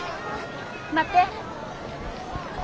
待って。